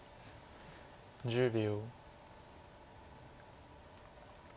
１０秒。